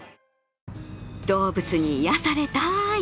動物に癒やされたーい。